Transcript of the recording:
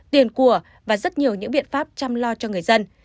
bùa và rất nhiều những biện pháp chăm lo cho người dân